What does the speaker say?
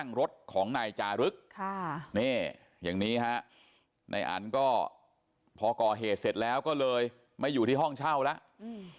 นี่อย่างนี้ฮะนายอันก็พอก่อเหตุเสร็จแล้วก็เลยไม่อยู่ที่ห้องเช่าแล้ว